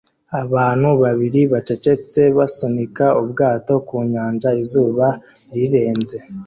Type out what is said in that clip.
Abantu babiri bacecetse basunika ubwato ku nyanja izuba rirenze